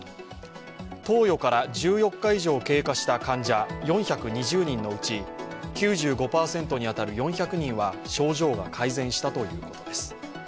投与から１４日以上経過した患者４２０人のうち９５％に当たる４００人は症状が回復したということです。